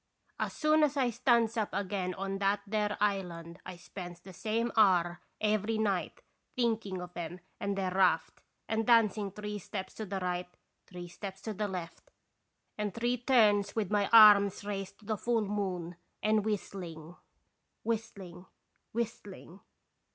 As soon as I stands up again on that there island 1 spends the same hour every night thinking of 'em and their raft, and dancing three steps to the right, three steps to the left, and three turns with my arms raised to the full moon, and whistling, whistling, whistling.